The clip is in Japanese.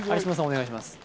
お願いします